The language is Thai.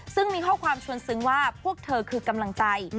ซึ่งมีข้อความชวนซึ้งว่าพวกเธอคือกำลังใจ